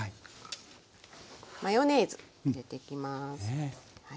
マヨネーズ入れていきます。